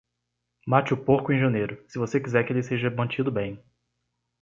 Mate o porco em janeiro, se você quiser que ele seja mantido bem.